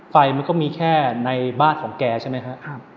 ไฟมันก็มีแค่ในบ้าของแกใช่มั้ยฮะ